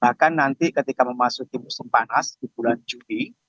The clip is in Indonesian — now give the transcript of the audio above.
bahkan nanti ketika memasuki musim panas di bulan juli